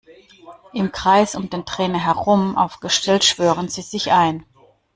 Im Kreis um den Trainer herum aufgestellt schwören sie sich ein.